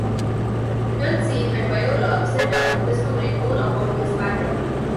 Dulcie and Viola set about discovering more about his background.